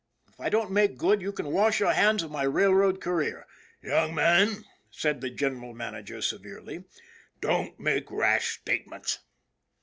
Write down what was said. If I don't make good you can wash your hands of my railroad career." " Young man," said the General Manager, severely, " don't make rash statements."